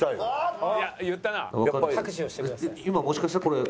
今もしかしたらこれ。